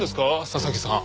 佐々木さん。